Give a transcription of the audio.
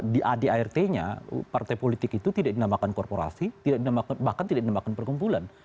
di adart nya partai politik itu tidak dinamakan korporasi bahkan tidak dinamakan perkumpulan